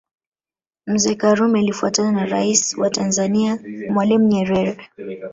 Mzee Karume alifuatana na Rais wa Tanzania Mwalimu Nyerere